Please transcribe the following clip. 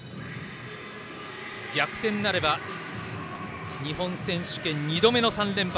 逆転なれば日本選手権２度目の３連覇。